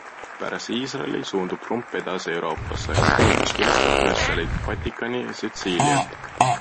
Pärast Iisraeli suundub Trump edasi Euroopasse, kus külastab Brüsselit, Vatikani ja Sitsiiliat.